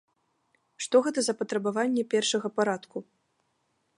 Што гэта за патрабаванні першага парадку?